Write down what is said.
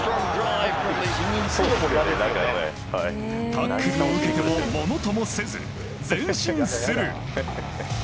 タックルを受けてもものともせず前進する。